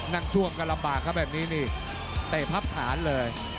ช่วงก็ลำบากครับแบบนี้นี่เตะพับฐานเลย